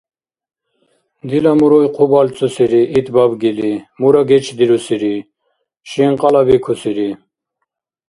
Дила муруй хъу балцусири, ит бабгили, мура гечдирусири, шинкьала бикусири.